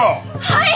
はい！